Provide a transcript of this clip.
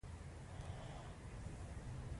پنځم په کارونو باندې د نظارت اصل دی.